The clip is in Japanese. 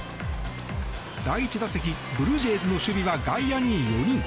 第１打席ブルージェイズの守備は外野に４人。